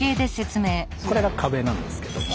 これが壁なんですけども。